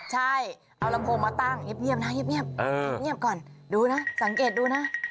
ใช่เอาลำโพงมาตั้งเงียบนะเงียบเงียบก่อนดูนะสังเกตดูนะ